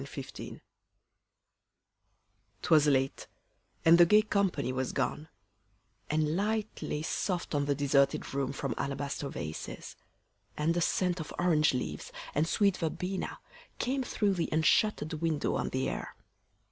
_ THE DECLARATION Twas late, and the gay company was gone, And light lay soft on the deserted room From alabaster vases, and a scent Of orange leaves, and sweet verbena came Through the unshutter'd window on the air.